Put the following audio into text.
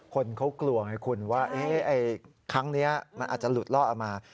คนเขากลัวไงคุณว่าครั้งนี้มันอาจจะหลุดลอดออกมา